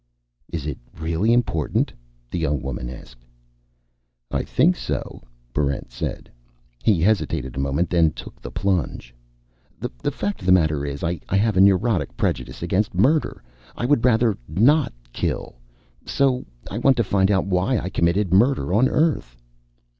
"Is it really important?" the young woman asked. "I think so," Barrent said. He hesitated a moment, then took the plunge. "The fact of the matter is, I have a neurotic prejudice against murder. I would rather not kill. So I want to find out why I committed murder on Earth."